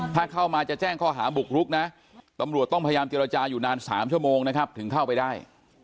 ถ้าเข้ามาจะแจ้งข้อหาบุกรุกนะตำรวจต้องพยายามเจรจาอยู่นาน๓ชั่วโมงนะครับถึงเข้าไปได้